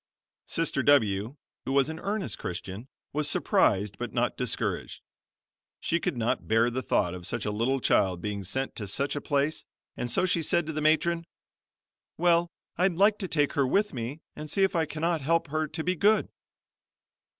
Sister W who was an earnest Christian, was surprised but not discouraged. She could not bear the thought of such a little child being sent to such a place and so she said to the matron: "Well, I'd like to take her with me and see if I cannot help her to be good."